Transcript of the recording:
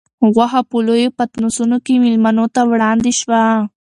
غوښه په لویو پتنوسونو کې مېلمنو ته وړاندې شوه.